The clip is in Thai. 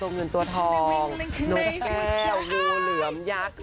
น้องแก้วงูเหลือม